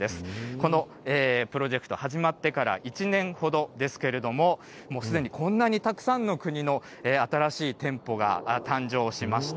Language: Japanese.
このプロジェクト始まってから１年ほどですけれども、もうすでにこんなにたくさんの国の新しい店舗が誕生しました。